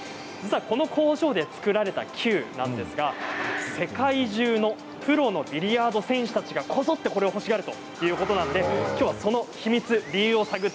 この工場で作られたキューなんですが世界中のプロのビリヤード選手たちがこぞって欲しがるということなんです。